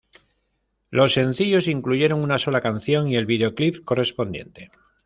Los sencillos incluyeron una sola canción y el videoclip correspondiente.